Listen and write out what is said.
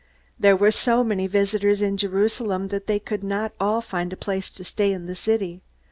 '" There were so many visitors in Jerusalem that they could not all find a place to stay in the city.